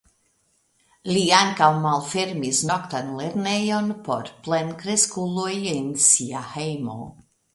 Li ankaŭ malfermis "noktan lernejon" por plenkreskuloj en sia hejmo.